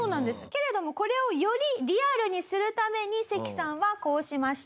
けれどもこれをよりリアルにするためにセキさんはこうしました。